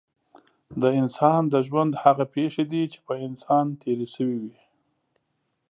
د انسان د ژوند هغه پېښې دي چې په انسان تېرې شوې وي.